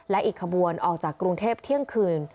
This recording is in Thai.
และอีกขบวนออกจากกรุงเทพเที่ยงคืน